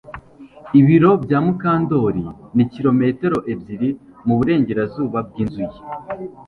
Ibiro bya Mukandoli ni kilometero ebyiri mu burengerazuba bwinzu ye